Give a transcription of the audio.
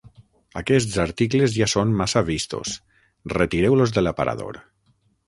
Aquests articles ja són massa vistos: retireu-los de l'aparador.